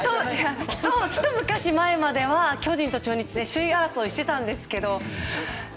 ひと昔前までは巨人と中日で首位争いをしていたんですけども。